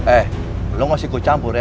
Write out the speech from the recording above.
eh lo masih gue campur ya